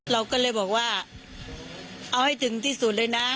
เราก็เลยบอกว่าเอาให้ถึงที่สุดเลยนะ